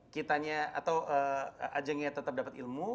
kitanya atau ajengnya tetap dapat ilmu